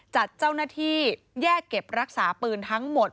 จัดเจ้าหน้าที่แยกเก็บรักษาปืนทั้งหมด